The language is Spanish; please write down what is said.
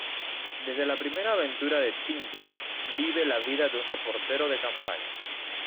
Desde la primera aventura de Tintín, vive la vida de un reportero de campaña.